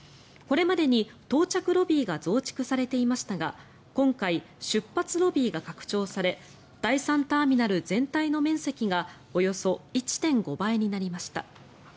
これまでに到着ロビーが増築されていましたが今回、出発ロビーが拡張され第３ターミナル全体の面積がおよそ１．５倍になりました。